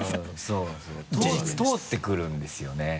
そうそう通ってくるんですよね。